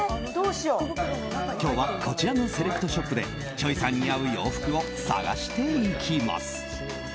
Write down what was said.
今日はこちらのセレクトショップでｃｈｏｙさんに合う洋服を探していきます。